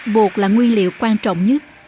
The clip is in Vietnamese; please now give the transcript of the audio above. bột là nguyên liệu quan trọng nhất